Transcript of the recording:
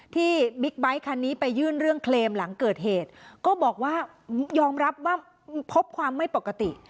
บิ๊กไบท์คันนี้ไปยื่นเรื่องเคลมหลังเกิดเหตุก็บอกว่ายอมรับว่าพบความไม่ปกติ